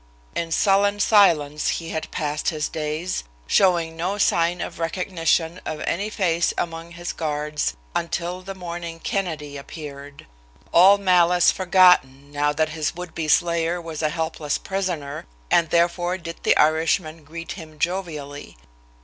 In sullen silence he had passed his days, showing no sign of recognition of any face among his guards until the morning Kennedy appeared all malice forgotten now that his would be slayer was a helpless prisoner, and therefore did the Irishman greet him jovially.